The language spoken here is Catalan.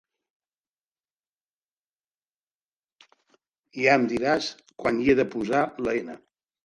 Ja em diràs quan hi he de posar la N